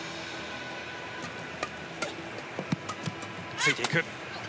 ついていく。